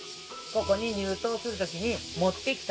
ここに入島する時に持ってきた。